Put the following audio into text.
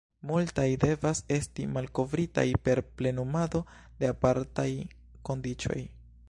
Multaj devas esti malkovritaj per plenumado de apartaj kondiĉoj.